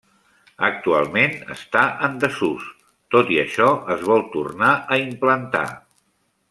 Actualment està en desús, tot i això es vol tornar a implantar.